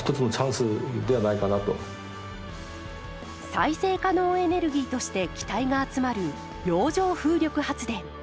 再生可能エネルギーとして期待が集まる洋上風力発電。